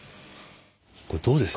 これどうですか？